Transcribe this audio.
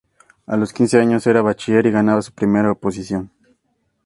A los quince años era bachiller y ganaba su primera oposición.